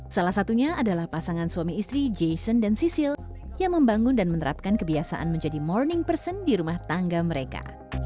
salah satunya adalah pasangan suami istri jason dan sisil yang membangun dan menerapkan kebiasaan menjadi morning person di rumah tangga mereka